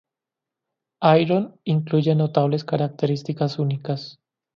Iron incluye notables características únicas.